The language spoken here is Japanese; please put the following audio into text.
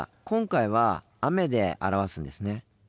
今回は「雨」で表すんですね。